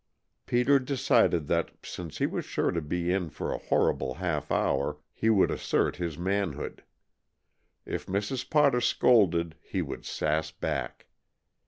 Peter decided that, since he was sure to be in for a horrible half hour, he would assert his manhood. If Mrs. Potter scolded he would sass back.